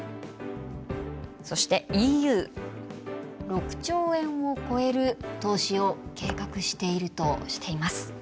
そしてＥＵ６兆円を超える投資を計画しているとしています。